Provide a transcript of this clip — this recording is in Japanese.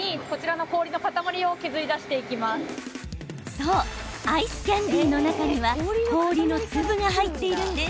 そうアイスキャンディーの中には氷の粒が入っているんです。